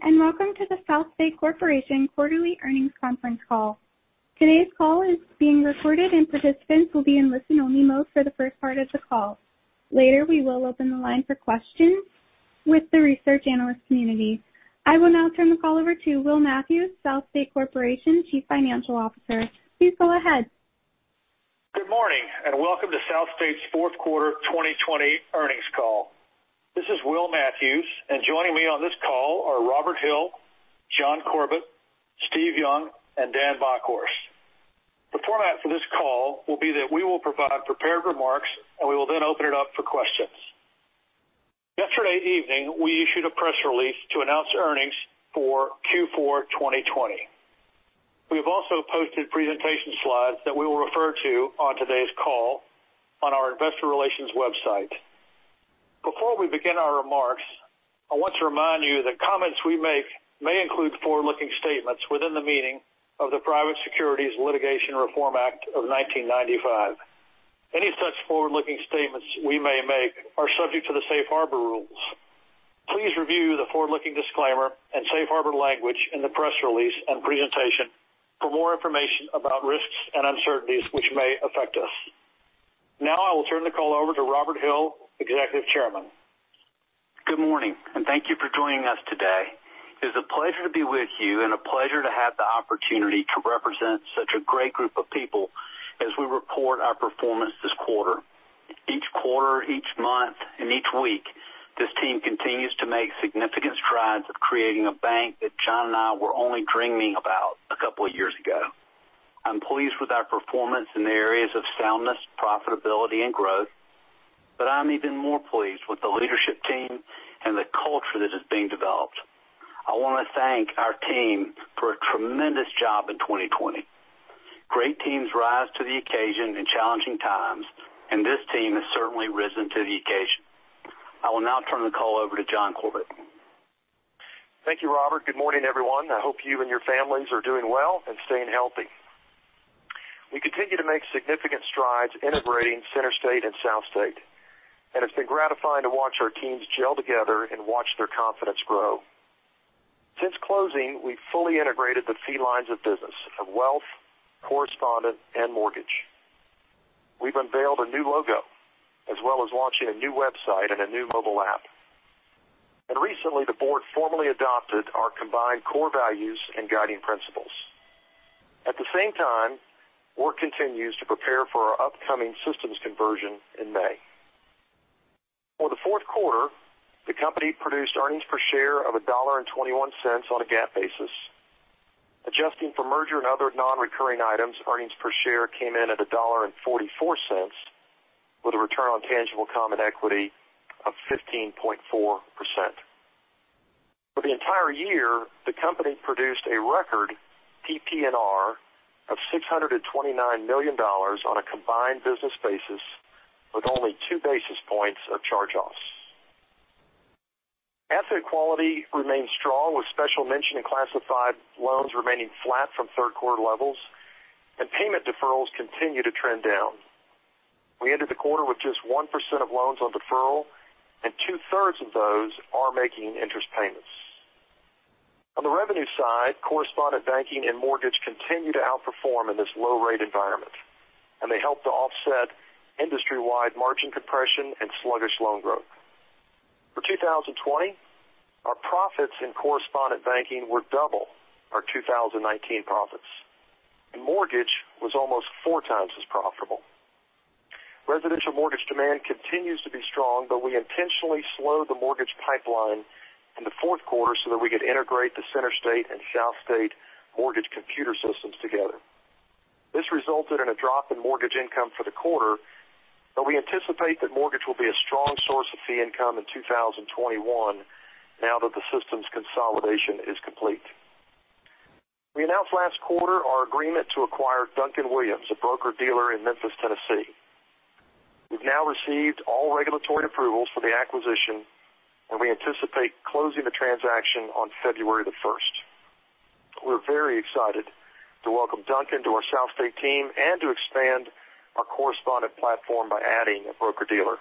Good morning. Welcome to the South State Corporation quarterly earnings conference call. Today's call is being recorded, and participants will be in listen-only mode for the first part of the call. Later, we will open the line for questions with the research analyst community. I will now turn the call over to Will Matthews, South State Corporation Chief Financial Officer. Please go ahead. Good morning, welcome to South State's fourth quarter 2020 earnings call. This is Will Matthews, and joining me on this call are Robert Hill, John Corbett, Steve Young, and Dan Bockhorst. The format for this call will be that we will provide prepared remarks, and we will then open it up for questions. Yesterday evening, we issued a press release to announce earnings for Q4 2020. We have also posted presentation slides that we will refer to on today's call on our investor relations website. Before we begin our remarks, I want to remind you that comments we make may include forward-looking statements within the meaning of the Private Securities Litigation Reform Act of 1995. Any such forward-looking statements we may make are subject to the safe harbor rules. Please review the forward-looking disclaimer and safe harbor language in the press release and presentation for more information about risks and uncertainties which may affect us. I will turn the call over to Robert Hill, Executive Chairman. Good morning, and thank you for joining us today. It is a pleasure to be with you and a pleasure to have the opportunity to represent such a great group of people as we report our performance this quarter. Each quarter, each month, and each week, this team continues to make significant strides of creating a bank that John and I were only dreaming about a couple of years ago. I'm pleased with our performance in the areas of soundness, profitability, and growth, but I'm even more pleased with the leadership team and the culture that is being developed. I want to thank our team for a tremendous job in 2020. Great teams rise to the occasion in challenging times, and this team has certainly risen to the occasion. I will now turn the call over to John Corbett. Thank you, Robert. Good morning, everyone. I hope you and your families are doing well and staying healthy. We continue to make significant strides integrating CenterState and SouthState. It's been gratifying to watch our teams gel together and watch their confidence grow. Since closing, we've fully integrated the fee lines of business of wealth, correspondent, and mortgage. We've unveiled a new logo, as well as launching a new website and a new mobile app. Recently, the board formally adopted our combined core values and guiding principles. At the same time, work continues to prepare for our upcoming systems conversion in May. For the fourth quarter, the company produced earnings per share of $1.21 on a GAAP basis. Adjusting for merger and other non-recurring items, earnings per share came in at $1.44, with a return on tangible common equity of 15.4%. For the entire year, the company produced a record PPNR of $629 million on a combined business basis, with only two basis points of charge-offs. Asset quality remains strong, with special mention and classified loans remaining flat from third quarter levels, and payment deferrals continue to trend down. We ended the quarter with just 1% of loans on deferral, and two-thirds of those are making interest payments. On the revenue side, correspondent banking and mortgage continue to outperform in this low-rate environment, and they helped to offset industry-wide margin compression and sluggish loan growth. For 2020, our profits in correspondent banking were double our 2019 profits. Mortgage was almost four times as profitable. Residential mortgage demand continues to be strong, but we intentionally slowed the mortgage pipeline in the fourth quarter so that we could integrate the CenterState and SouthState mortgage computer systems together. This resulted in a drop in mortgage income for the quarter, but we anticipate that mortgage will be a strong source of fee income in 2021 now that the systems consolidation is complete. We announced last quarter our agreement to acquire Duncan-Williams, Inc., a broker-dealer in Memphis, Tennessee. We've now received all regulatory approvals for the acquisition, and we anticipate closing the transaction on February 1st. We're very excited to welcome Duncan to our SouthState team and to expand our correspondent platform by adding a broker-dealer.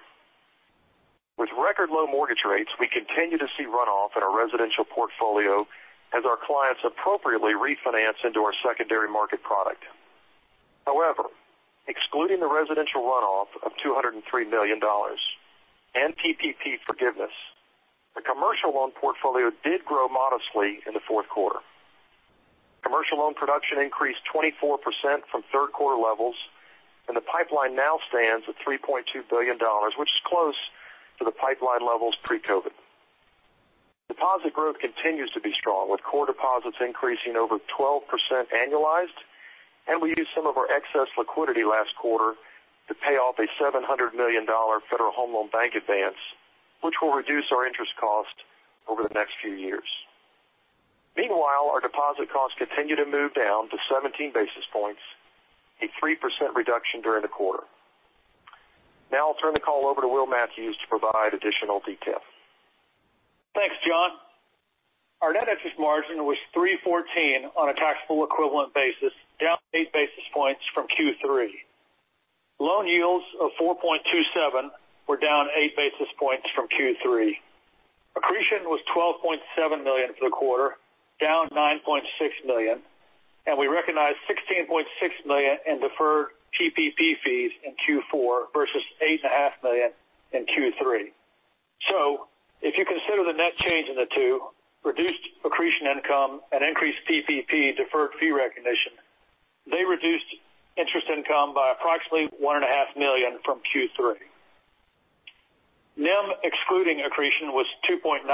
With record low mortgage rates, we continue to see runoff in our residential portfolio as our clients appropriately refinance into our secondary market product. However, excluding the residential runoff of $203 million and PPP forgiveness, the commercial loan portfolio did grow modestly in the fourth quarter. Commercial loan production increased 24% from third quarter levels. The pipeline now stands at $3.2 billion, which is close to the pipeline levels pre-COVID. Deposit growth continues to be strong, with core deposits increasing over 12% annualized. We used some of our excess liquidity last quarter to pay off a $700 million Federal Home Loan Bank advance, which will reduce our interest cost over the next few years. Meanwhile, our deposit costs continue to move down to 17 basis points, a 3% reduction during the quarter. I'll turn the call over to Will Matthews to provide additional details. Thanks, John. Our net interest margin was 314 on a taxable equivalent basis, down eight basis points from Q3. Loan yields of 4.27 were down eight basis points from Q3. Accretion was $12.7 million for the quarter, down $9.6 million, and we recognized $16.6 million in deferred PPP fees in Q4 versus $8.5 million in Q3. If you consider the net change in the two, reduced accretion income and increased PPP deferred fee recognition, they reduced interest income by approximately $1.5 million from Q3. NIM excluding accretion was 2.99,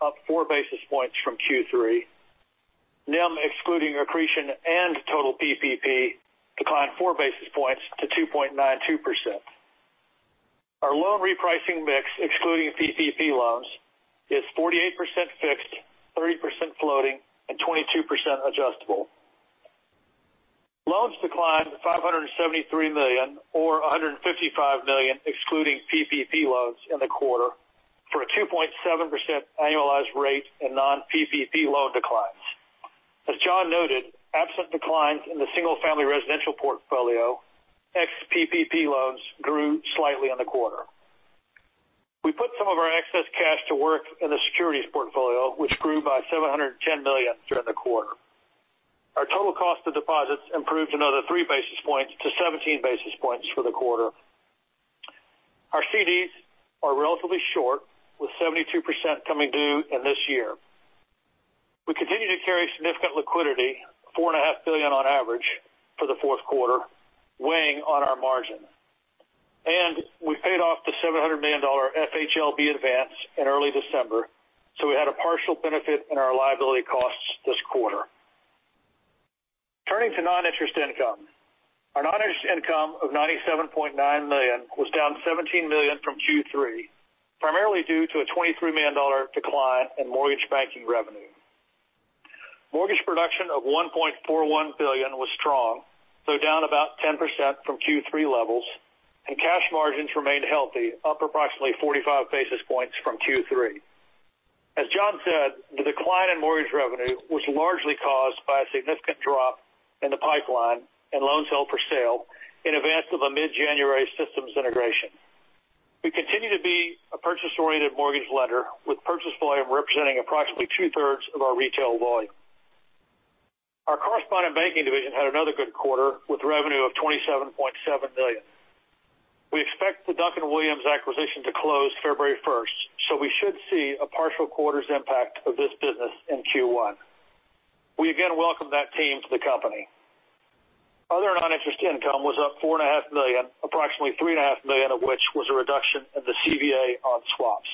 up four basis points from Q3. NIM excluding accretion and total PPP declined four basis points to 2.92%. Our loan repricing mix, excluding PPP loans, is 48% fixed, 30% floating, and 22% adjustable. Loans declined to $573 million, or $155 million excluding PPP loans in the quarter for a 2.7% annualized rate in non-PPP loan declines. As John noted, absent declines in the single-family residential portfolio, ex-PPP loans grew slightly in the quarter. We put some of our excess cash to work in the securities portfolio, which grew by $710 million during the quarter. Our total cost of deposits improved another three basis points to 17 basis points for the quarter. Our CDs are relatively short, with 72% coming due in this year. We continue to carry significant liquidity, $4.5 billion on average for the fourth quarter, weighing on our margin. We paid off the $700 million FHLB advance in early December, so we had a partial benefit in our liability costs this quarter. Turning to non-interest income. Our non-interest income of $97.9 million was down $17 million from Q3, primarily due to a $23 million decline in mortgage banking revenue. Mortgage production of $1.41 billion was strong, though down about 10% from Q3 levels, and cash margins remained healthy, up approximately 45 basis points from Q3. As John said, the decline in mortgage revenue was largely caused by a significant drop in the pipeline and loans held for sale in advance of a mid-January systems integration. We continue to be a purchase-oriented mortgage lender, with purchase volume representing approximately two-thirds of our retail volume. Our correspondent banking division had another good quarter with revenue of $27.7 million. We expect the Duncan-Williams, Inc. acquisition to close February 1st, so we should see a partial quarter's impact of this business in Q1. We again welcome that team to the company. Other non-interest income was up $4.5 million, approximately $3.5 million of which was a reduction in the CVA on swaps.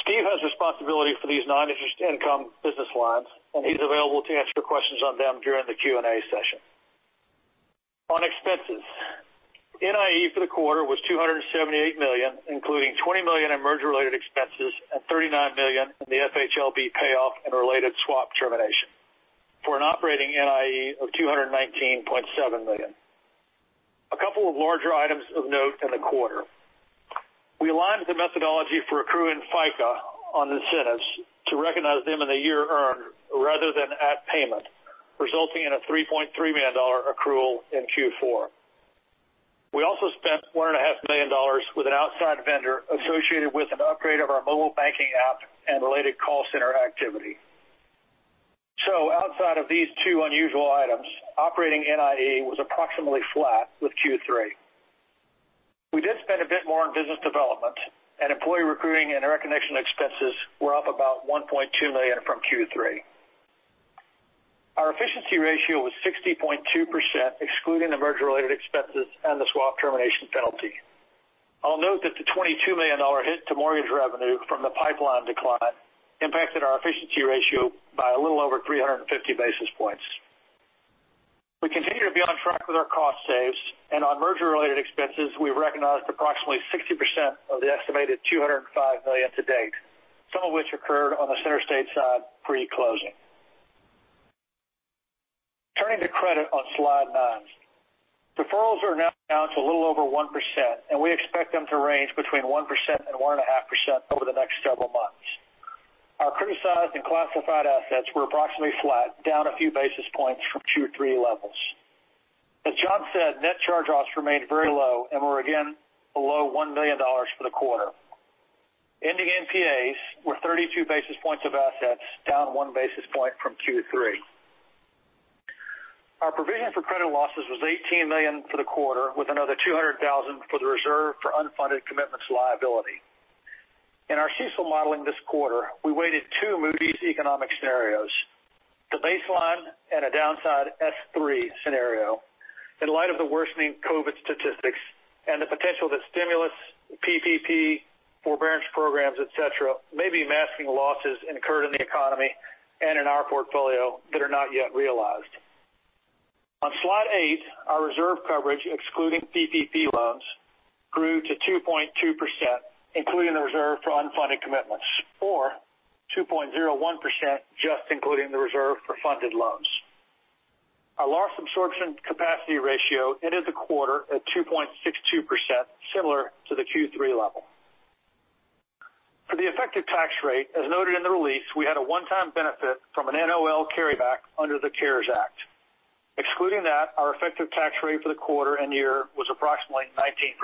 Steve has a responsibility for this CVA business swap. He's available to answer questions on them during the Q&A session. On expenses, NIE for the quarter was $278 million, including $20 million in merger-related expenses and $39 million in the FHLB payoff and related swap termination for an operating NIE of $219.7 million. A couple of larger items of note in the quarter. We aligned the methodology for accruing FICA on incentives to recognize them in the year earned rather than at payment, resulting in a $3.3 million accrual in Q4. We also spent $1.5 million with an outside vendor associated with an upgrade of our mobile banking app and related call center activity. Outside of these two unusual items, operating NIE was approximately flat with Q3. We did spend a bit more on business development and employee recruiting and recognition expenses were up about $1.2 million from Q3. Our efficiency ratio was 60.2%, excluding the merger-related expenses and the swap termination penalty. I'll note that the $22 million hit to mortgage revenue from the pipeline decline impacted our efficiency ratio by a little over 350 basis points. We continue to be on track with our cost saves and on merger-related expenses, we recognized approximately 60% of the estimated $205 million to date, some of which occurred on the CenterState side pre-closing. Turning to credit on slide nine. Defaults are now down to a little over 1%, and we expect them to range between 1% and 1.5% over the next several months. Our criticized and classified assets were approximately flat, down a few basis points from Q3 levels. As John said, net charge-offs remained very low and were again below $1 million for the quarter. Ending NPAs were 32 basis points of assets, down one basis point from Q3. Our provision for credit losses was $18 million for the quarter, with another $200,000 for the reserve for unfunded commitments liability. In our CECL modeling this quarter, we weighted two Moody's economic scenarios, the baseline and a downside S3 scenario in light of the worsening COVID statistics and the potential that stimulus PPP forbearance programs, et cetera, may be masking losses incurred in the economy and in our portfolio that are not yet realized. On slide eight, our reserve coverage, excluding PPP loans, grew to 2.2%, including the reserve for unfunded commitments, or 2.01% just including the reserve for funded loans. Our loss absorption capacity ratio ended the quarter at 2.62%, similar to the Q3 level. The effective tax rate, as noted in the release, we had a one-time benefit from an NOL carryback under the CARES Act. Excluding that, our effective tax rate for the quarter and the year was approximately 19%.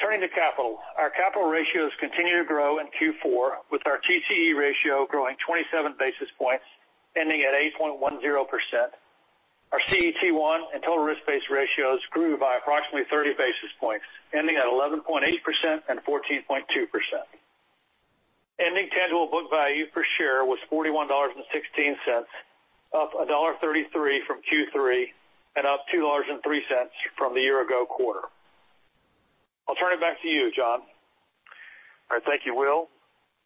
Turning to capital. Our capital ratios continue to grow in Q4, with our TCE ratio growing 27 basis points, ending at 8.10%. Our CET1 and total risk-based ratios grew by approximately 30 basis points, ending at 11.8% and 14.2%. Ending tangible book value per share was $41.16, up $1.33 from Q3, and up $2.03 from the year ago quarter. I'll turn it back to you, John. All right. Thank you, Will.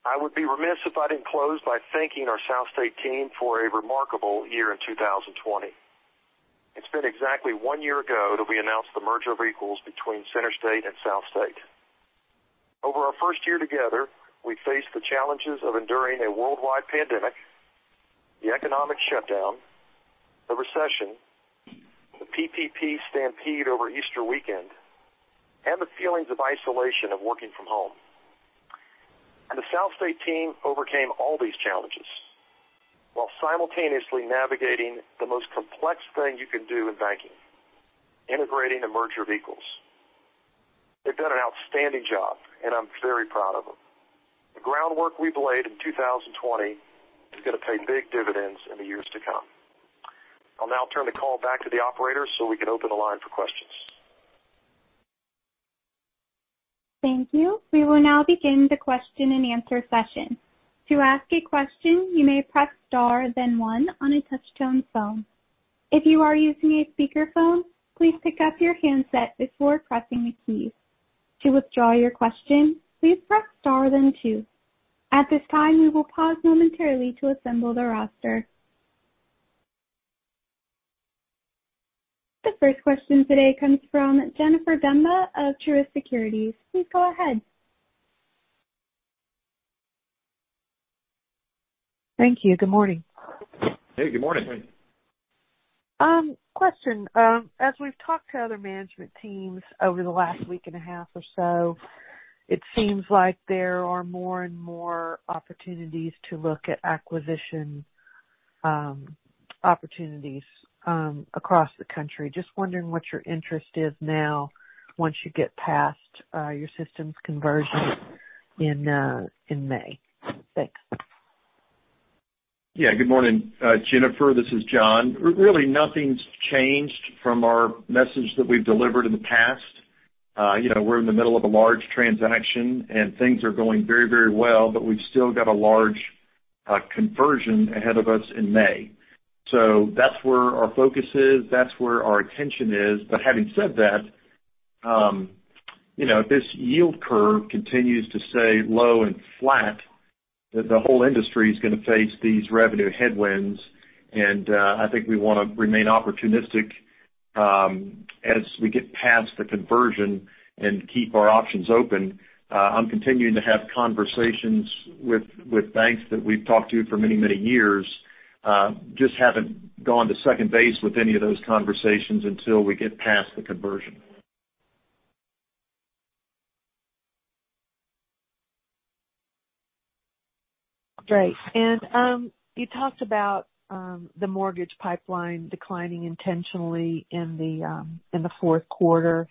I would be remiss if I didn't close by thanking our SouthState team for a remarkable year in 2020. It's been exactly one year ago that we announced the merger of equals between CenterState and SouthState. Over our first year together, we faced the challenges of enduring a worldwide pandemic, the economic shutdown, the recession, the PPP stampede over Easter weekend, and the feelings of isolation of working from home. The SouthState team overcame all these challenges while simultaneously navigating the most complex thing you can do in banking, integrating a merger of equals. They've done an outstanding job, and I'm very proud of them. The groundwork we've laid in 2020 is going to pay big dividends in the years to come. I'll now turn the call back to the operator so we can open the line for questions. Thank you. We will now begin the question and answer session. To ask a question, you may press star then one on a touch-tone phone. If you are using a speakerphone, please pick up your handset before pressing a key. To withdraw your question, please press star then two. At this time, we will pause momentarily to assemble the roster. The first question today comes from Jennifer Demba of Truist Securities. Please go ahead. Thank you. Good morning. Hey, good morning. As we've talked to other management teams over the last week and a half or so, it seems like there are more and more opportunities to look at acquisition opportunities across the country. Just wondering what your interest is now once you get past your systems conversion in May. Thanks. Good morning, Jennifer. This is John. Really nothing's changed from our message that we've delivered in the past. We're in the middle of a large transaction and things are going very well, but we've still got a large conversion ahead of us in May. That's where our focus is, that's where our attention is. Having said that, if this yield curve continues to stay low and flat, the whole industry is going to face these revenue headwinds and I think we want to remain opportunistic as we get past the conversion and keep our options open. I'm continuing to have conversations with banks that we've talked to for many years. Just haven't gone to second base with any of those conversations until we get past the conversion. Great. You talked about the mortgage pipeline declining intentionally in the fourth quarter.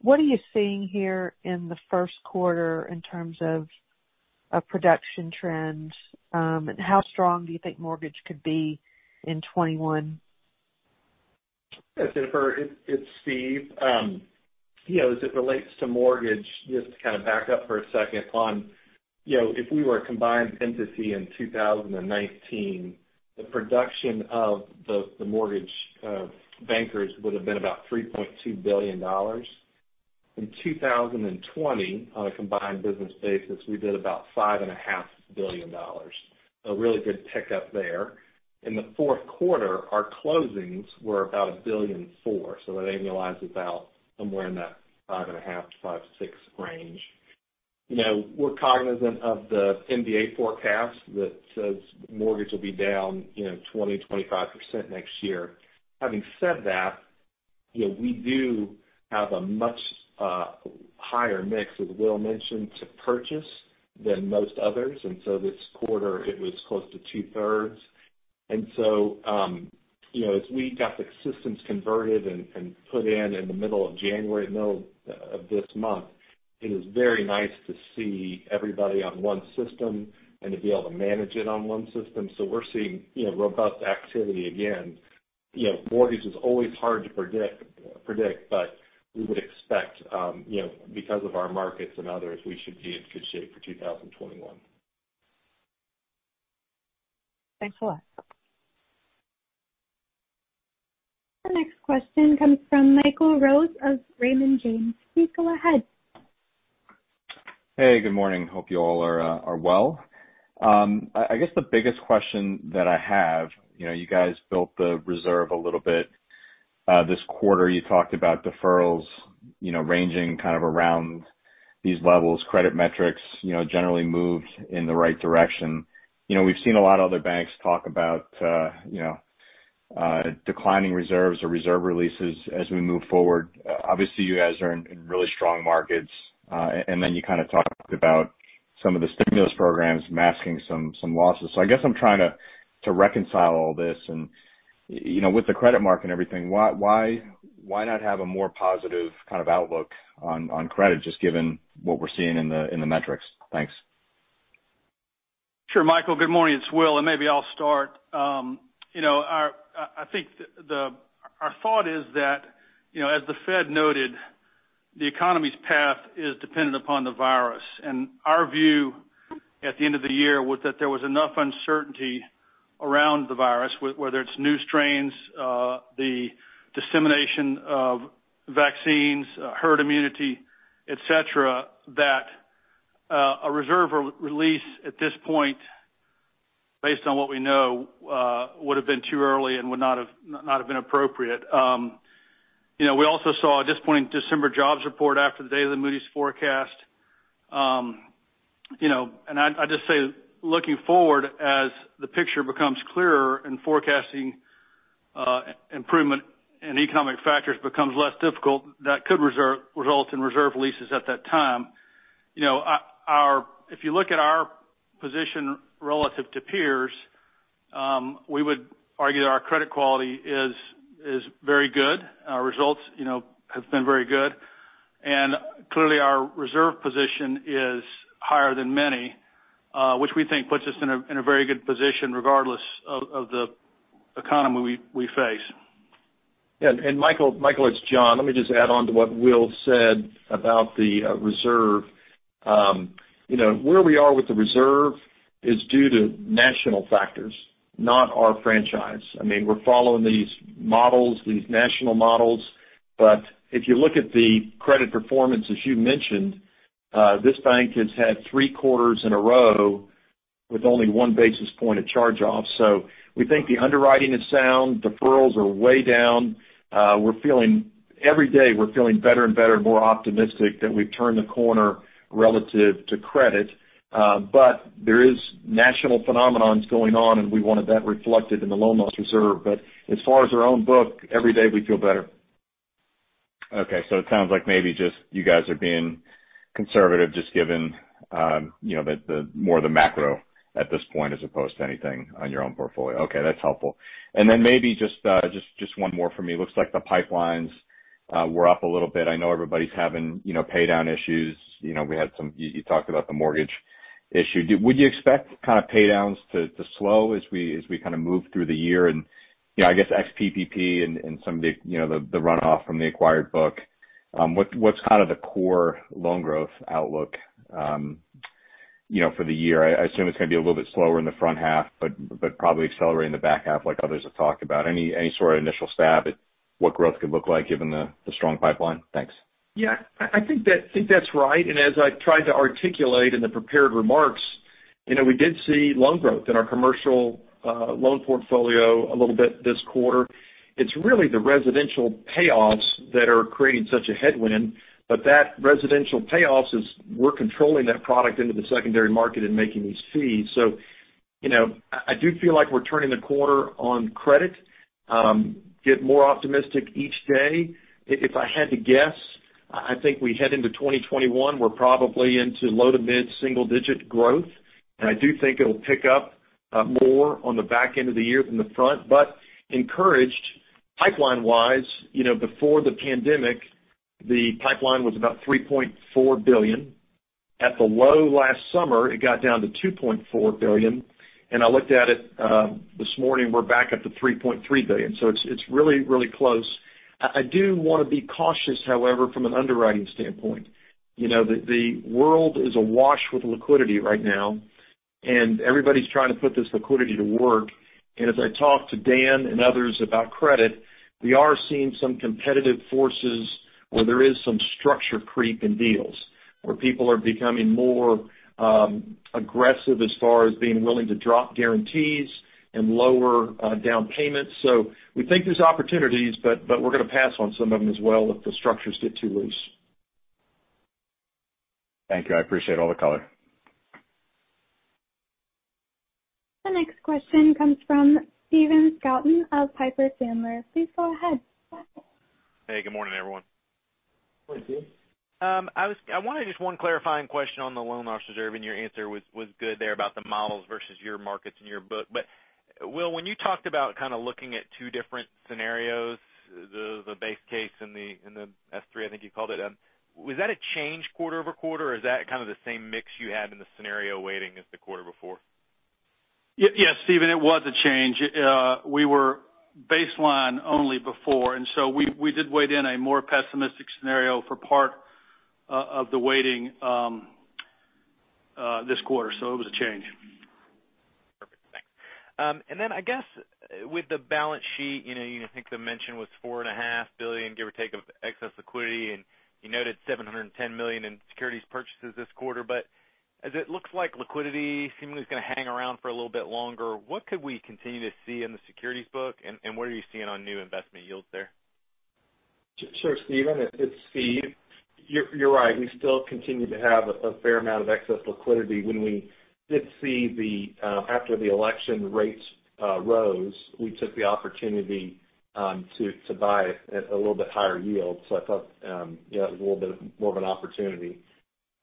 What are you seeing here in the first quarter in terms of production trends? How strong do you think mortgage could be in 2021? Jennifer, it's Steve. As it relates to mortgage, just to kind of back up for a second, if we were a combined entity in 2019, the production of the mortgage bankers would have been about $3.2 billion. In 2020, on a combined business basis, we did about $5.5 billion. A really good pick up there. In the fourth quarter, our closings were about $1.4 billion, so that annualizes out somewhere in that $5.5 billion-$5.6 billion range. We're cognizant of the MBA forecast that says mortgage will be down 20%-25% next year. Having said that, we do have a much higher mix, as Will mentioned, to purchase than most others, and so this quarter it was close to two-thirds. As we got the systems converted and put in in the middle of January, the middle of this month, it is very nice to see everybody on one system and to be able to manage it on one system. We're seeing robust activity again. Mortgage is always hard to predict, but we would expect because of our markets and others, we should be in good shape for 2021. Thanks a lot. The next question comes from Michael Rose of Raymond James. Please go ahead. Hey, good morning. Hope you all are well. I guess the biggest question that I have, you guys built the reserve a little bit this quarter. You talked about deferrals ranging kind of around these levels. Credit metrics generally moved in the right direction. We've seen a lot of other banks talk about declining reserves or reserve releases as we move forward. Obviously, you guys are in really strong markets. Then you kind of talked about some of the stimulus programs masking some losses. I guess I'm trying to reconcile all this and with the credit mark and everything, why not have a more positive kind of outlook on credit, just given what we're seeing in the metrics? Thanks. Sure, Michael, good morning. It's Will, maybe I'll start. I think our thought is that, as the Fed noted, the economy's path is dependent upon the virus. Our view at the end of the year was that there was enough uncertainty around the virus, whether it's new strains, the dissemination of vaccines, herd immunity, et cetera, that a reserve release at this point, based on what we know would've been too early and would not have been appropriate. We also saw a disappointing December jobs report after the day of the Moody's forecast. I just say, looking forward, as the picture becomes clearer in forecasting improvement in economic factors becomes less difficult, that could result in reserve releases at that time. If you look at our position relative to peers, we would argue that our credit quality is very good. Our results have been very good. Clearly our reserve position is higher than many, which we think puts us in a very good position regardless of the economy we face. Yeah. Michael, it's John. Let me just add on to what Will said about the reserve. Where we are with the reserve is due to national factors, not our franchise. We're following these models, these national models. If you look at the credit performance, as you mentioned, this bank has had three quarters in a row with only one basis point of charge-offs. We think the underwriting is sound. Deferrals are way down. Every day we're feeling better and better, more optimistic that we've turned the corner relative to credit. There is national phenomenons going on, and we wanted that reflected in the loan loss reserve. As far as our own book, every day we feel better. It sounds like maybe just you guys are being conservative just given more of the macro at this point as opposed to anything on your own portfolio. That's helpful. Maybe just one more for me. Looks like the pipelines were up a little bit. I know everybody's having pay down issues. You talked about the mortgage issue. Would you expect pay downs to slow as we kind of move through the year and, I guess, ex PPP and some of the runoff from the acquired book? What's kind of the core loan growth outlook for the year? I assume it's going to be a little bit slower in the front half, but probably accelerate in the back half like others have talked about. Any sort of initial stab at what growth could look like given the strong pipeline? Thanks. Yeah, I think that's right. As I tried to articulate in the prepared remarks, we did see loan growth in our commercial loan portfolio a little bit this quarter. It's really the residential payoffs that are creating such a headwind. That residential payoff is we're controlling that product into the secondary market and making these fees. I do feel like we're turning the corner on credit, get more optimistic each day. If I had to guess, I think we head into 2021, we're probably into low-to-mid single-digit growth, and I do think it'll pick up more on the back end of the year than the front. Encouraged pipeline-wise, before the pandemic, the pipeline was about $3.4 billion. At the low last summer, it got down to $2.4 billion, and I looked at it this morning, we're back up to $3.3 billion. It's really, really close. I do want to be cautious, however, from an underwriting standpoint. The world is awash with liquidity right now, and everybody's trying to put this liquidity to work. As I talk to Dan and others about credit, we are seeing some competitive forces where there is some structure creep in deals where people are becoming more aggressive as far as being willing to drop guarantees and lower down payments. We think there's opportunities, but we're going to pass on some of them as well if the structures get too loose. Thank you. I appreciate all the color. The next question comes from Stephen Scouten of Piper Sandler. Please go ahead. Hey, good morning, everyone. Morning, Steve. I wanted just one clarifying question on the loan loss reserve, and your answer was good there about the models versus your markets and your book. Will, when you talked about kind of looking at two different scenarios, the base case and the S3, I think you called it, was that a change quarter-over-quarter or is that kind of the same mix you had in the scenario weighting as the quarter before? Yes, Stephen, it was a change. We were baseline only before, and so we did weight in a more pessimistic scenario for part of the weighting this quarter, so it was a change. Perfect. Thanks. Then I guess with the balance sheet, I think the mention was $4.5 billion, give or take, of excess liquidity, and you noted $710 million in securities purchases this quarter. As it looks like liquidity seemingly is going to hang around for a little bit longer, what could we continue to see in the securities book, and what are you seeing on new investment yields there? Sure, Stephen, it's Steve. You're right. We still continue to have a fair amount of excess liquidity. When we did see, after the election rates rose, we took the opportunity to buy at a little bit higher yield. I thought it was a little bit more of an opportunity.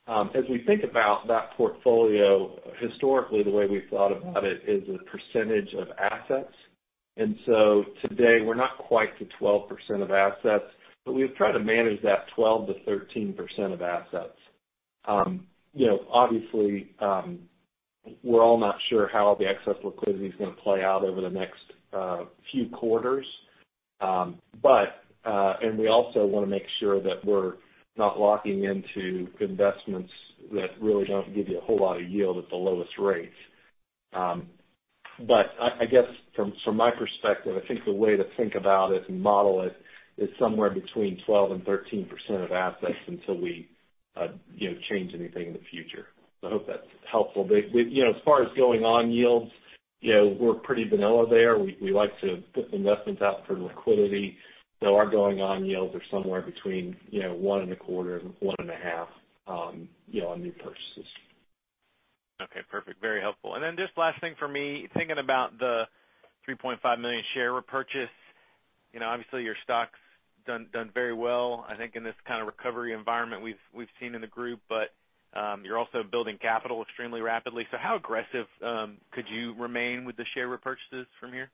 As we think about that portfolio, historically, the way we've thought about it is a percentage of assets. Today, we're not quite to 12% of assets, but we've tried to manage that 12%-13% of assets. Obviously, we're all not sure how the excess liquidity is going to play out over the next few quarters. We also want to make sure that we're not locking into investments that really don't give you a whole lot of yield at the lowest rates. I guess from my perspective, I think the way to think about it and model it is somewhere between 12% and 13% of assets until we change anything in the future. I hope that's helpful. As far as going on yields, we're pretty vanilla there. We like to put the investments out for the liquidity. Our going on yields are somewhere between one and a quarter and one and a half on new purchases. Okay, perfect. Very helpful. Just last thing for me, thinking about the $3.5 million share repurchase. Obviously, your stock's done very well, I think, in this kind of recovery environment we've seen in the group. You're also building capital extremely rapidly. How aggressive could you remain with the share repurchases from here?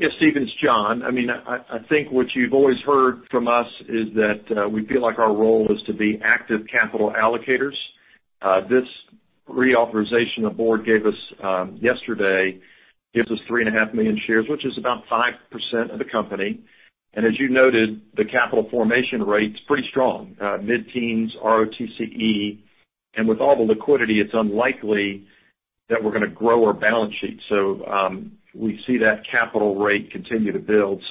Yes, Stephen, it's John. I think what you've always heard from us is that we feel like our role is to be active capital allocators. This reauthorization the board gave us yesterday gives us 3.5 million shares, which is about 5% of the company. As you noted, the capital formation rate's pretty strong. Mid-teens ROTCE, and with all the liquidity, it's unlikely that we're going to grow our balance sheet. We see that capital rate continue to build.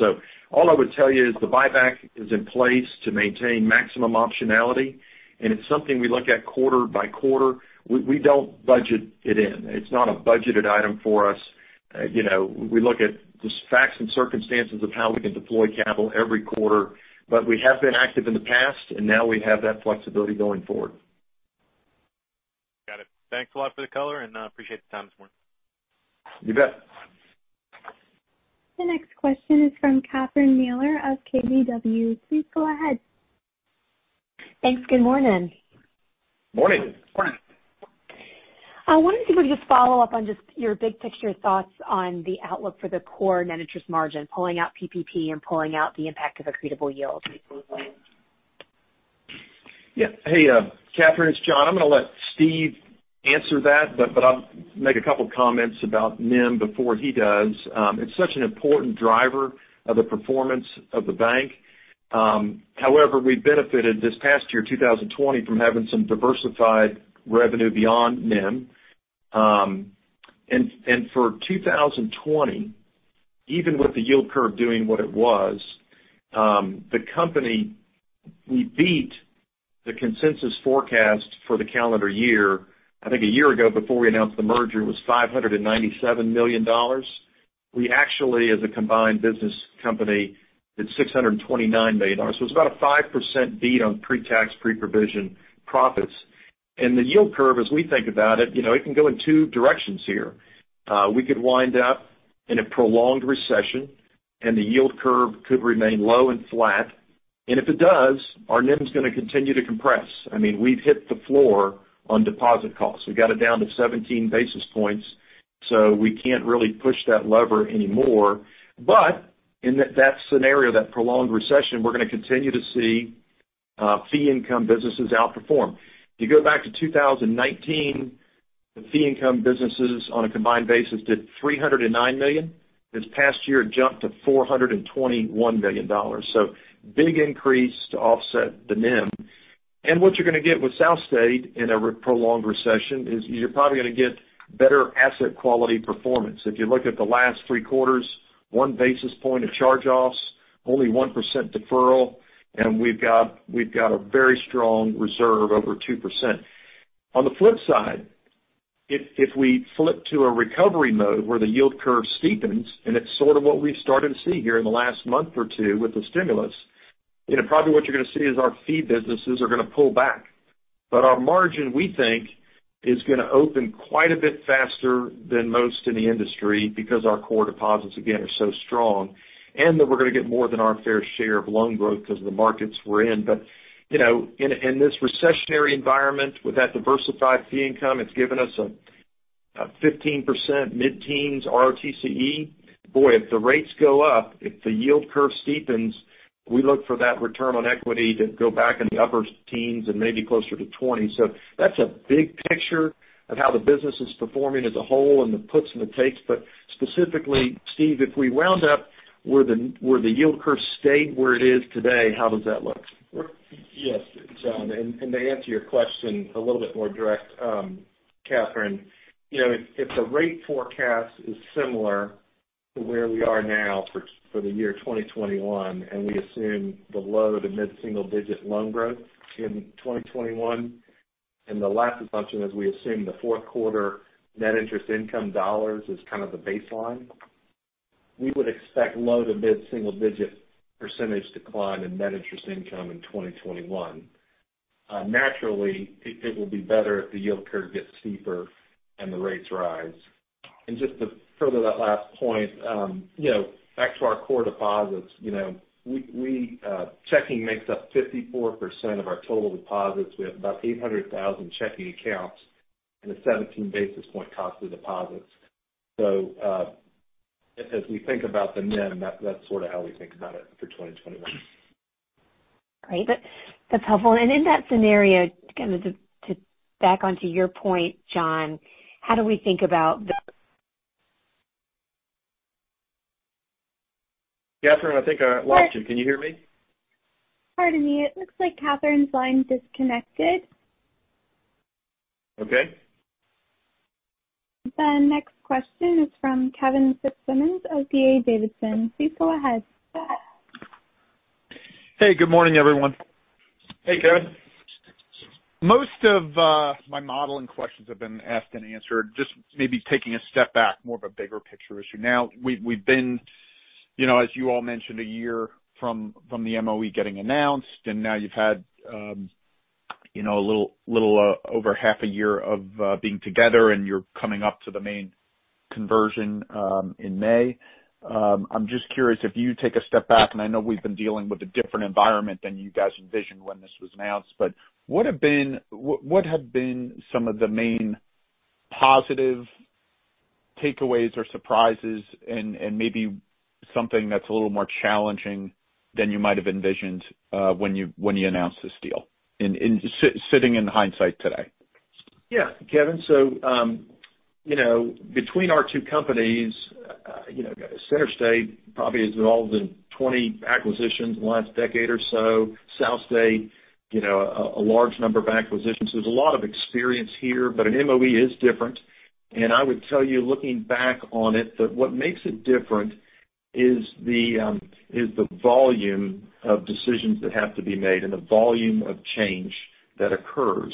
All I would tell you is the buyback is in place to maintain maximum optionality, and it's something we look at quarter by quarter. We don't budget it in. It's not a budgeted item for us. We look at just facts and circumstances of how we can deploy capital every quarter. We have been active in the past, and now we have that flexibility going forward. Got it. Thanks a lot for the color. I appreciate the time this morning. You bet. The next question is from Catherine Mealor of KBW. Please go ahead. Thanks. Good morning. Morning. Morning. I wanted to just follow up on just your big picture thoughts on the outlook for the core net interest margin, pulling out PPP and pulling out the impact of accretable yield. Yeah. Hey, Catherine, it's John. I'm going to let Steve answer that, but I'll make a couple comments about NIM before he does. It's such an important driver of the performance of the bank. However, we benefited this past year, 2020, from having some diversified revenue beyond NIM. For 2020, even with the yield curve doing what it was, the company, we beat the consensus forecast for the calendar year. I think a year ago, before we announced the merger, it was $597 million. We actually, as a combined business company, did $629 million. It's about a 5% beat on pre-tax, pre-provision profits. The yield curve, as we think about it can go in two directions here. We could wind up in a prolonged recession, and the yield curve could remain low and flat. If it does, our NIM is going to continue to compress. We've hit the floor on deposit costs. We got it down to 17 basis points. We can't really push that lever anymore. In that scenario, that prolonged recession, we're going to continue to see fee income businesses outperform. If you go back to 2019, the fee income businesses on a combined basis did $309 million. This past year, it jumped to $421 million. Big increase to offset the NIM. What you're going to get with SouthState in a prolonged recession is you're probably going to get better asset quality performance. If you look at the last three quarters, one basis point of charge-offs, only 1% deferral, and we've got a very strong reserve over 2%. On the flip side, if we flip to a recovery mode where the yield curve steepens, and it's sort of what we've started to see here in the last month or two with the stimulus, probably what you're going to see is our fee businesses are going to pull back. Our margin, we think, is going to open quite a bit faster than most in the industry because our core deposits, again, are so strong, and that we're going to get more than our fair share of loan growth because of the markets we're in. In this recessionary environment with that diversified fee income, it's given us a 15% mid-teens ROTCE. Boy, if the rates go up, if the yield curve steepens, we look for that return on equity to go back in the upper teens and maybe closer to 20. That's a big picture of how the business is performing as a whole and the puts and the takes. Specifically, Steve, if we wound up where the yield curve stayed where it is today, how does that look? Yes, John. To answer your question a little bit more direct, Catherine, if the rate forecast is similar to where we are now for the year 2021, and we assume the low to mid-single digit loan growth in 2021. The last assumption is we assume the fourth quarter net interest income dollars is kind of the baseline. We would expect low to mid single-digit percentage decline in net interest income in 2021. Naturally, it will be better if the yield curve gets steeper and the rates rise. Just to further that last point, back to our core deposits, checking makes up 54% of our total deposits. We have about 800,000 checking accounts and a 17 basis point cost of deposits. As we think about the NIM, that's sort of how we think about it for 2021. Great. That's helpful. In that scenario, kind of to back onto your point, John, how do we think about? Catherine, I think I lost you. Can you hear me? Pardon me. It looks like Catherine's line disconnected. Okay. The next question is from Kevin Fitzsimmons of D.A. Davidson. Please go ahead. Hey, good morning, everyone. Hey, Kevin. Most of my modeling questions have been asked and answered. Just maybe taking a step back, more of a bigger picture issue now. We've been, as you all mentioned, a year from the MOE getting announced, and now you've had a little over half a year of being together, and you're coming up to the main conversion in May. I'm just curious if you take a step back, and I know we've been dealing with a different environment than you guys envisioned when this was announced. What have been some of the main positive takeaways or surprises and maybe something that's a little more challenging than you might have envisioned when you announced this deal, sitting in hindsight today? Kevin, between our two companies, CenterState probably is involved in 20 acquisitions in the last decade or so. SouthState, a large number of acquisitions. There's a lot of experience here, but an MOE is different. I would tell you, looking back on it, that what makes it different is the volume of decisions that have to be made and the volume of change that occurs.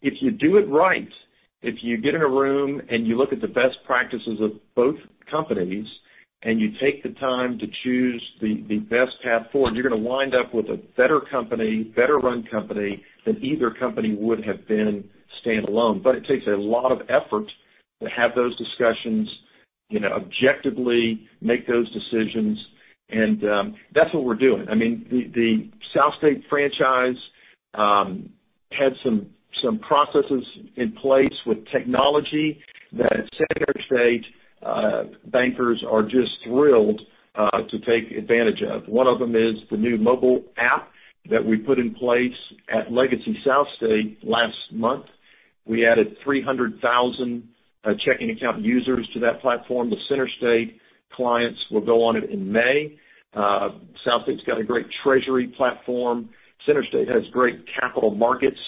If you do it right, if you get in a room and you look at the best practices of both companies, and you take the time to choose the best path forward, you're going to wind up with a better company, better run company than either company would have been standalone. It takes a lot of effort to have those discussions, objectively make those decisions. That's what we're doing. The SouthState franchise had some processes in place with technology that CenterState bankers are just thrilled to take advantage of. One of them is the new mobile app that we put in place at legacy SouthState last month. We added 300,000 checking account users to that platform. The CenterState clients will go on it in May. SouthState's got a great treasury platform. CenterState has great capital markets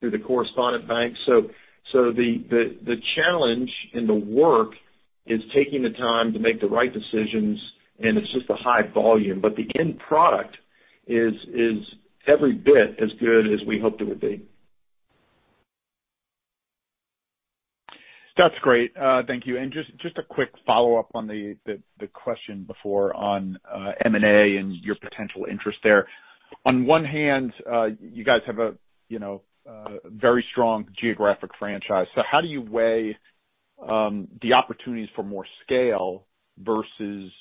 through the correspondent bank. The challenge and the work is taking the time to make the right decisions, and it's just the high volume. The end product is every bit as good as we hoped it would be. That's great. Thank you. Just a quick follow-up on the question before on M&A and your potential interest there. On one hand, you guys have a very strong geographic franchise. How do you weigh the opportunities for more scale versus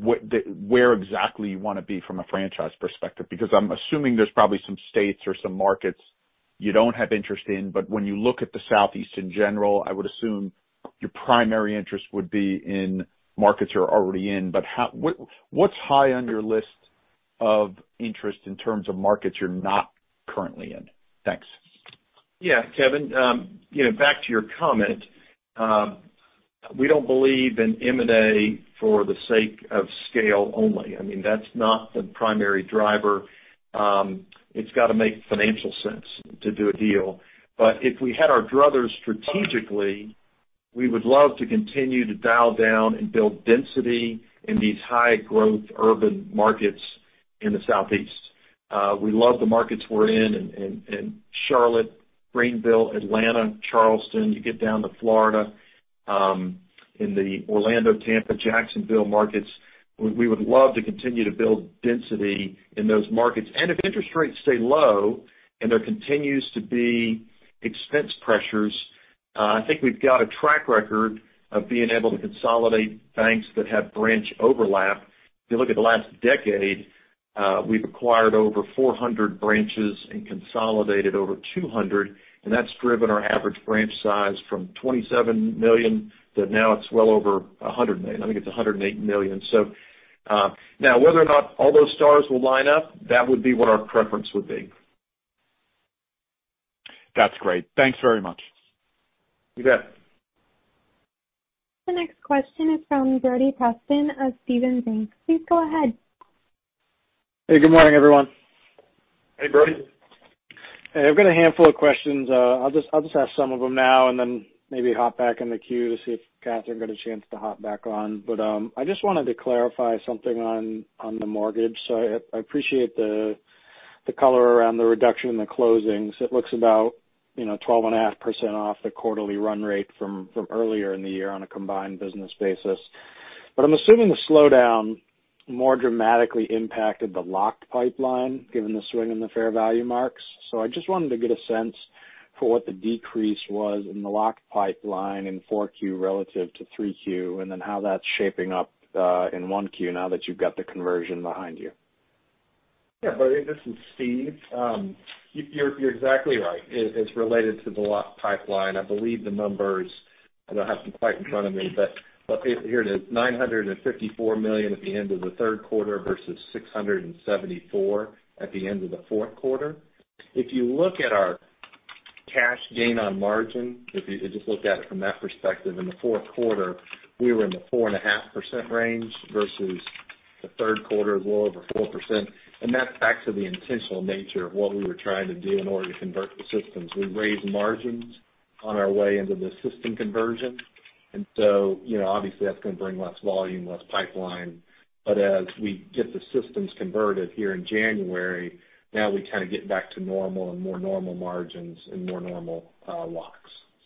where exactly you want to be from a franchise perspective? I'm assuming there's probably some states or some markets you don't have interest in, but when you look at the Southeast in general, I would assume your primary interest would be in markets you're already in. What's high on your list of interest in terms of markets you're not currently in? Thanks. Yeah, Kevin. Back to your comment. We don't believe in M&A for the sake of scale only. That's not the primary driver. It's got to make financial sense to do a deal. If we had our druthers strategically, we would love to continue to dial down and build density in these high growth urban markets in the Southeast. We love the markets we're in Charlotte, Greenville, Atlanta, Charleston. You get down to Florida, in the Orlando, Tampa, Jacksonville markets. We would love to continue to build density in those markets. If interest rates stay low and there continues to be expense pressures, I think we've got a track record of being able to consolidate banks that have branch overlap. If you look at the last decade, we've acquired over 400 branches and consolidated over 200, and that's driven our average branch size from $27 million to now it's well over $100 million. I think it's $108 million. Now whether or not all those stars will line up, that would be what our preference would be. That's great. Thanks very much. You bet. The next question is from Brody Preston of Stephens Inc Please go ahead. Hey, good morning, everyone. Hey, Brody. Hey, I've got a handful of questions. I'll just ask some of them now and then maybe hop back in the queue to see if Catherine got a chance to hop back on. I just wanted to clarify something on the mortgage. I appreciate the color around the reduction in the closings, it looks about, 12.5% off the quarterly run rate from earlier in the year on a combined business basis. I'm assuming the slowdown more dramatically impacted the locked pipeline, given the swing in the fair value marks. I just wanted to get a sense for what the decrease was in the locked pipeline in Q4 relative to Q3, and then how that's shaping up in 1Q now that you've got the conversion behind you. Yeah, Brody, this is Steve. You're exactly right. It's related to the locked pipeline. I believe the numbers, I don't have them quite in front of me, but here it is, $954 million at the end of the third quarter versus $674 million at the end of the fourth quarter. If you look at our cash gain on margin, if you just look at it from that perspective, in the fourth quarter, we were in the 4.5% range versus the third quarter, a little over 4%. That's actually the intentional nature of what we were trying to do in order to convert the systems. We raised margins on our way into the system conversion. Obviously that's going to bring less volume, less pipeline. As we get the systems converted here in January, now we kind of get back to normal and more normal margins and more normal locks.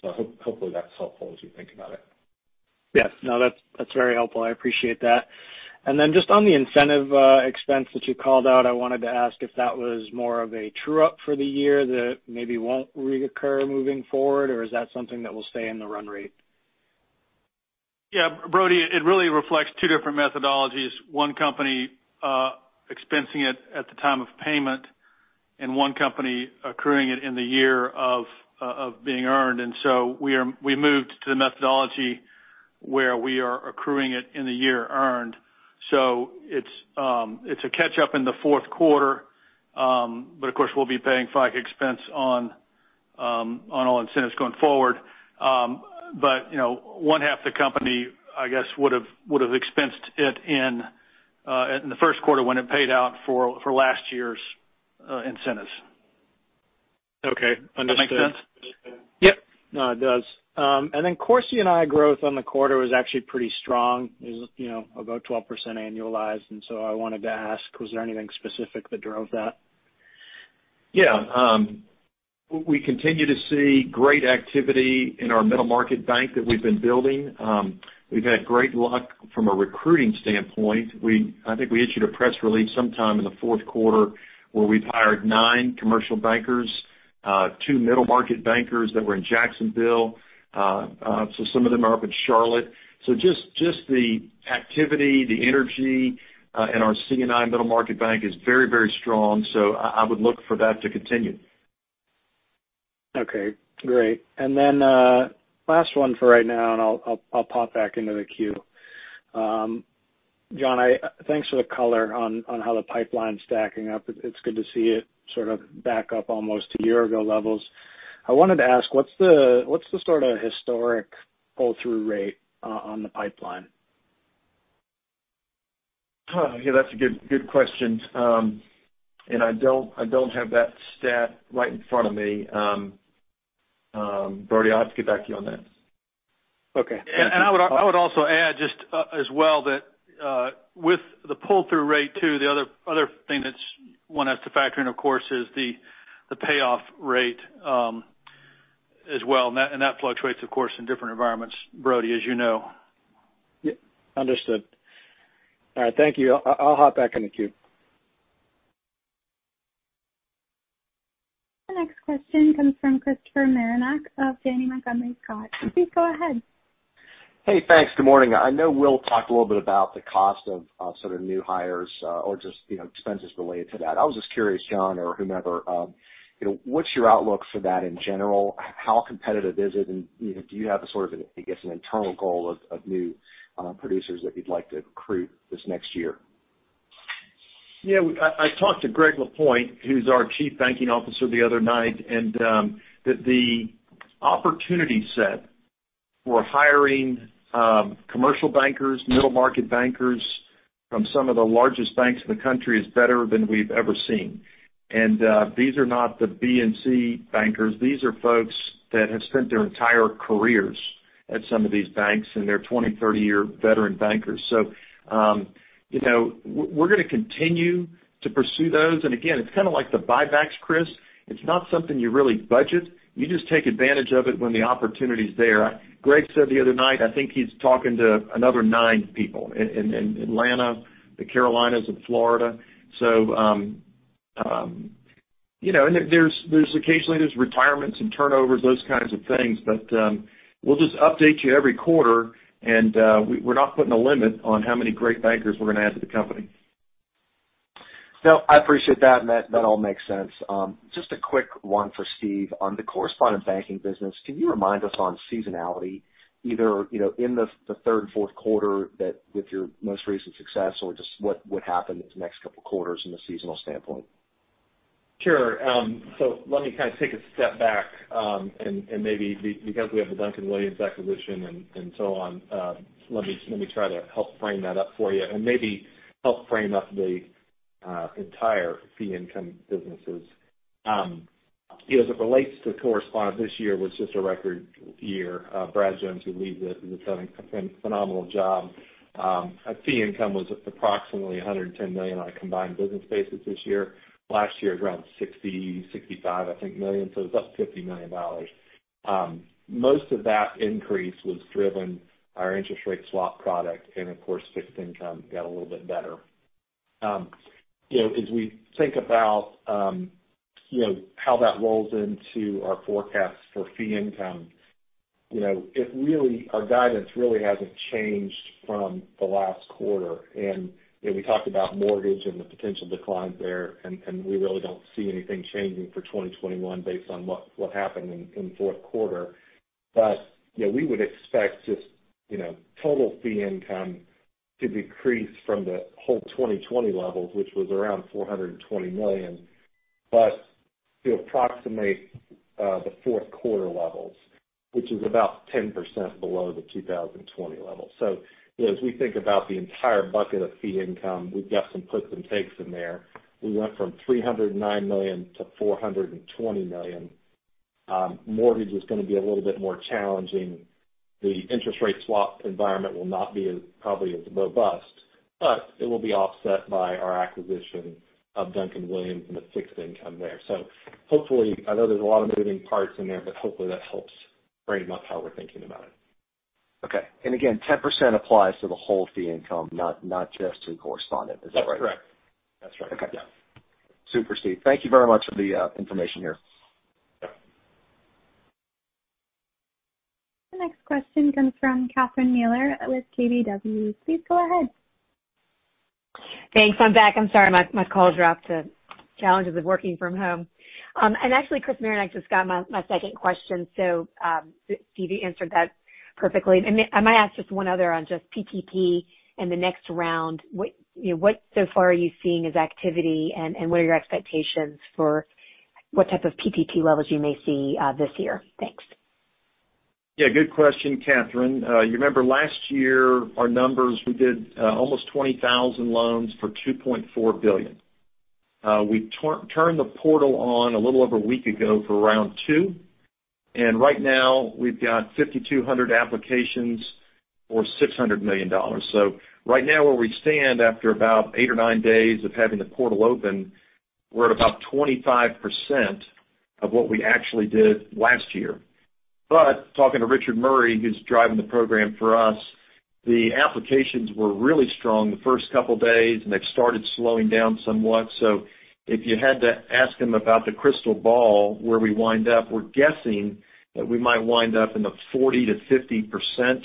Hopefully that's helpful as you think about it. Yes. No, that's very helpful. I appreciate that. Just on the incentive expense that you called out, I wanted to ask if that was more of a true-up for the year that maybe won't reoccur moving forward, or is that something that will stay in the run rate? Yeah, Brody, it really reflects two different methodologies. One company expensing it at the time of payment and one company accruing it in the year of being earned. We moved to the methodology where we are accruing it in the year earned. It's a catch up in the fourth quarter. Of course, we'll be paying FICA expense on all incentives going forward. One half of the company, I guess, would have expensed it in the first quarter when it paid out for last year's incentives. Okay. Understood. That make sense? Yep. No, it does. Core C&I growth on the quarter was actually pretty strong. It was about 12% annualized, and so I wanted to ask, was there anything specific that drove that? Yeah. We continue to see great activity in our middle market bank that we've been building. We've had great luck from a recruiting standpoint. I think we issued a press release sometime in the fourth quarter where we've hired nine commercial bankers, two middle market bankers that were in Jacksonville. Some of them are up in Charlotte. Just the activity, the energy, in our C&I middle market bank is very, very strong. I would look for that to continue. Okay, great. Last one for right now, I'll pop back into the queue. John, thanks for the color on how the pipeline's stacking up. It's good to see it sort of back up almost to year-ago levels. I wanted to ask, what's the sort of historic pull-through rate on the pipeline? That's a good question. I don't have that stat right in front of me. Brody, I'll have to get back to you on that. Okay. I would also add just as well that, with the pull-through rate too, the other thing that one has to factor in, of course, is the payoff rate as well, and that fluctuates, of course, in different environments, Brody, as you know. Understood. All right. Thank you. I'll hop back in the queue. The next question comes from Christopher Marinac of Janney Montgomery Scott. Please go ahead. Hey, thanks. Good morning. I know Will talked a little bit about the cost of sort of new hires or just expenses related to that. I was just curious, John or whomever, what's your outlook for that in general? How competitive is it? Do you have a sort of, I guess, an internal goal of new producers that you'd like to recruit this next year? Yeah, I talked to Greg Lapointe, who's our chief banking officer, the other night, and the opportunity set for hiring commercial bankers, middle market bankers from some of the largest banks in the country is better than we've ever seen. These are not the B and C bankers. These are folks that have spent their entire careers at some of these banks, and they're 20, 30-year veteran bankers. We're going to continue to pursue those. Again, it's kind of like the buybacks, Chris. It's not something you really budget. You just take advantage of it when the opportunity is there. Greg said the other night, I think he's talking to another nine people in Atlanta, the Carolinas, and Florida. Occasionally there's retirements and turnovers, those kinds of things. We'll just update you every quarter, and we're not putting a limit on how many great bankers we're going to add to the company. No, I appreciate that. That all makes sense. Just a quick one for Steve on the correspondent banking business. Can you remind us on seasonality, either in the third and fourth quarter that with your most recent success or just what would happen in the next couple of quarters from a seasonal standpoint? Sure. Let me kind of take a step back, and maybe because we have the Duncan-Williams Inc, acquisition and so on, let me try to help frame that up for you and maybe help frame up the entire fee income businesses. As it relates to correspondent, this year was just a record year. Brad Jones, who leads it, is doing a phenomenal job. Fee income was approximately $110 million on a combined business basis this year. Last year, it was around $60 million-$65 million, I think. It was up $50 million. Most of that increase was driven our interest rate swap product and of course fixed income got a little bit better. As we think about how that rolls into our forecast for fee income, our guidance really hasn't changed from the last quarter. We talked about mortgage and the potential decline there, and we really don't see anything changing for 2021 based on what happened in fourth quarter. We would expect just total fee income to decrease from the whole 2020 levels, which was around $420 million, but to approximate the fourth quarter levels, which is about 10% below the 2020 level. As we think about the entire bucket of fee income, we've got some puts and takes in there. We went from $309 million to $420 million. Mortgage is going to be a little bit more challenging. The interest rate swap environment will not be as probably as robust, but it will be offset by our acquisition of Duncan-Williams, Inc and the fixed income there. Hopefully, I know there's a lot of moving parts in there, but hopefully that helps frame up how we're thinking about it. Okay. Again, 10% applies to the whole fee income, not just to correspondent. Is that right? That's correct. Okay. Yeah. Super, Steve. Thank you very much for the information here. The next question comes from Catherine Mealor with KBW. Please go ahead. Thanks. I'm back. I'm sorry my call dropped. The challenges of working from home. Actually, Chris Marinac just got my second question, so Steve, you answered that perfectly. I might ask just one other on just PPP and the next round. What so far are you seeing as activity, and what are your expectations for what type of PPP levels you may see this year? Thanks. Good question, Catherine. You remember last year, our numbers, we did almost 20,000 loans for $2.4 billion. We turned the portal on a little over a week ago for round two, and right now we've got 5,200 applications for $600 million. Right now where we stand after about eight or nine days of having the portal open, we're at about 25% of what we actually did last year. Talking to Richard Murray, who's driving the program for us, the applications were really strong the first couple days, and they've started slowing down somewhat. If you had to ask him about the crystal ball where we wind up, we're guessing that we might wind up in the 40%-50%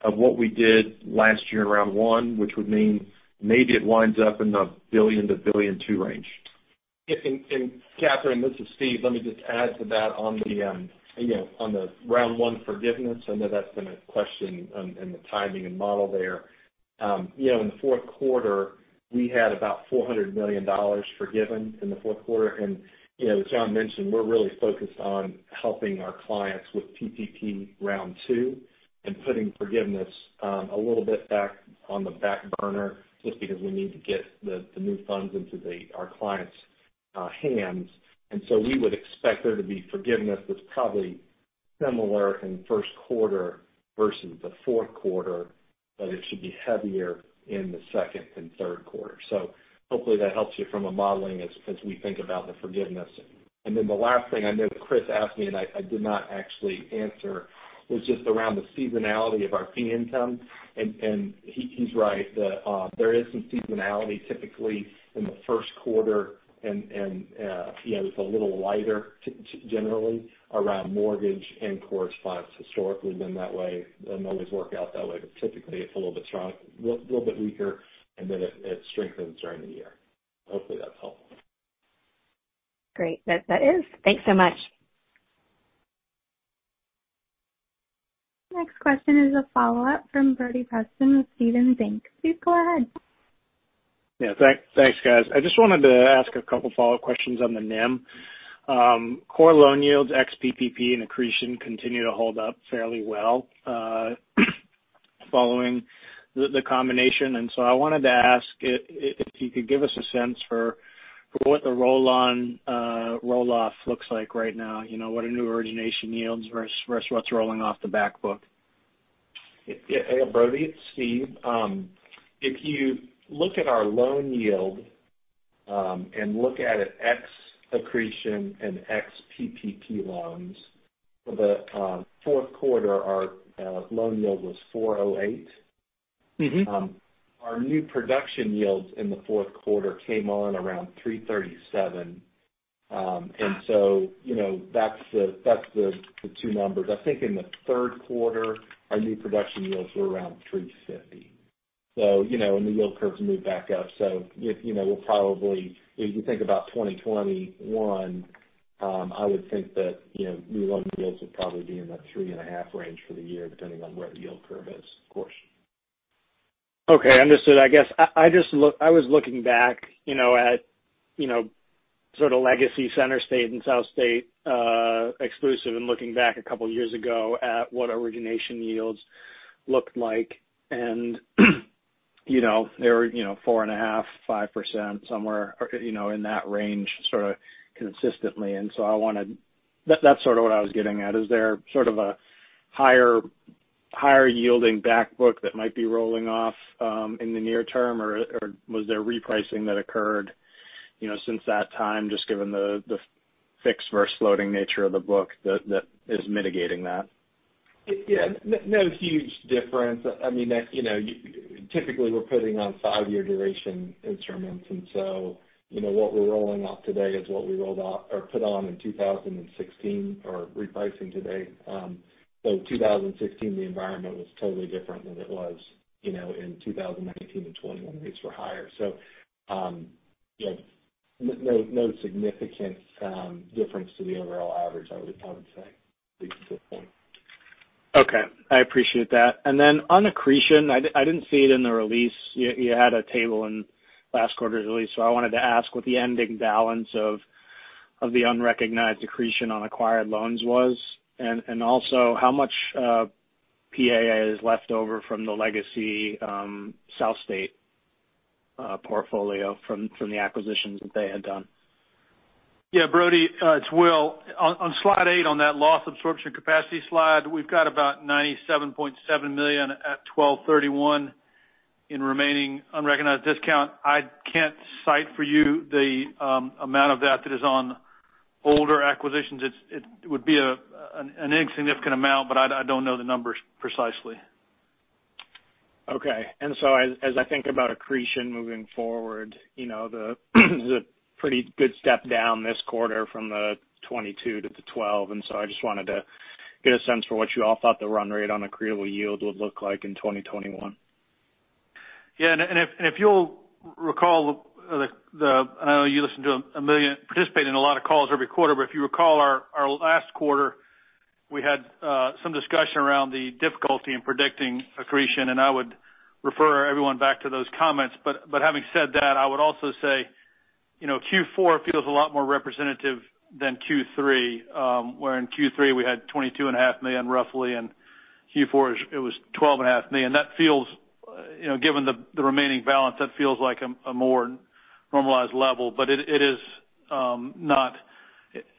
of what we did last year in round one, which would mean maybe it winds up in the $1 billion-$1.2 billion range. Catherine, this is Steve. Let me just add to that on the round 1 forgiveness. I know that's been a question in the timing and model there. In the fourth quarter, we had about $400 million forgiven in the fourth quarter. As John mentioned, we're really focused on helping our clients with PPP round 2 and putting forgiveness a little bit back on the back burner just because we need to get the new funds into our clients' hands. We would expect there to be forgiveness that's probably similar in first quarter versus the fourth quarter, but it should be heavier in the second and third quarter. Hopefully that helps you from a modeling as we think about the forgiveness. The last thing I know that Chris asked me and I did not actually answer, was just around the seasonality of our fee income. He's right that there is some seasonality typically in the first quarter, and it's a little lighter generally around mortgage and correspondent's historically been that way. It doesn't always work out that way, but typically it's a little bit weaker, and then it strengthens during the year. Hopefully that's helpful. Great. That is. Thanks so much. Next question is a follow-up from Brody Preston with Stephens Inc. Please go ahead. Yeah, thanks guys. I just wanted to ask a couple follow-up questions on the NIM. Core loan yields ex-PPP and accretion continue to hold up fairly well following the combination. I wanted to ask if you could give us a sense for what the roll-on-roll-off looks like right now. What are new origination yields versus what's rolling off the back book? Brody, it's Steve. If you look at our loan yield and look at it ex-accretion and ex-PPP loans for the fourth quarter, our loan yield was 4.08%. Our new production yields in the fourth quarter came on around 337. That's the two numbers. I think in the third quarter, our new production yields were around 350. The yield curves moved back up. If you think about 2021, I would think that new loan yields would probably be in the three and a half range for the year, depending on where the yield curve is, of course. Okay, understood. I guess I was looking back at sort of legacy CenterState and SouthState-exclusive and looking back a couple of years ago at what origination yields looked like. They were 4.5%, 5%, somewhere in that range, sort of consistently. That's sort of what I was getting at. Is there sort of a higher yielding back book that might be rolling off in the near term, or was there repricing that occurred since that time, just given the fixed versus floating nature of the book that is mitigating that? Yeah. No huge difference. Typically, we're putting on five-year duration instruments. What we're rolling off today is what we put on in 2016 are repricing today. 2016, the environment was totally different than it was in 2019 and 2021, rates were higher. No significant difference to the overall average, I would say, at least at this point. Okay. I appreciate that. On accretion, I didn't see it in the release. You had a table in last quarter's release. I wanted to ask what the ending balance of the unrecognized accretion on acquired loans was, and also how much PAA is left over from the Legacy SouthState portfolio from the acquisitions that they had done. Yeah, Brody. It's Will. On slide eight, on that loss absorption capacity slide, we've got about $97.7 million at 12/31 in remaining unrecognized discount. I can't cite for you the amount of that that is on older acquisitions. It would be an insignificant amount, but I don't know the numbers precisely. Okay. As I think about accretion moving forward, there's a pretty good step down this quarter from the 22 to the 12, and so I just wanted to get a sense for what you all thought the run rate on accretive yield would look like in 2021. Yeah. I know you participate in a lot of calls every quarter, but if you recall our last quarter, we had some discussion around the difficulty in predicting accretion, and I would refer everyone back to those comments. Having said that, I would also say, Q4 feels a lot more representative than Q3, where in Q3 we had $22.5 million roughly, and Q4 it was $12.5 million. Given the remaining balance, that feels like a more normalized level. It is not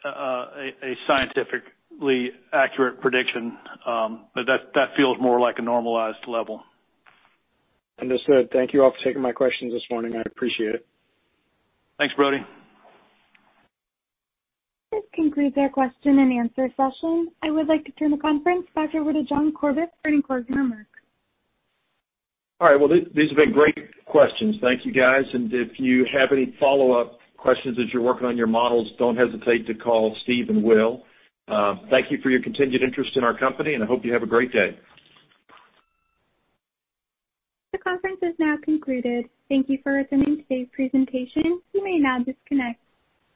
a scientifically accurate prediction. That feels more like a normalized level. Understood. Thank you all for taking my questions this morning. I appreciate it. Thanks, Brody. This concludes our question and answer session. I would like to turn the conference back over to John Corbett for any closing remarks. All right. Well, these have been great questions. Thank you, guys. If you have any follow-up questions as you're working on your models, don't hesitate to call Steve and Will. Thank you for your continued interest in our company, and I hope you have a great day. The conference has now concluded. Thank you for attending today's presentation. You may now disconnect.